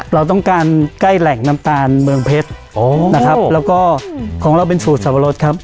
เราต้องการใกล้แหล่งน้ำตาลเมืองเพชรนะครับแล้วก็ของเราเป็นสูตรสับปะรดครับ